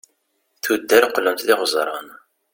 tuddar qlent d iɣeẓran